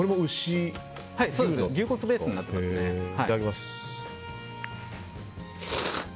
いただきます。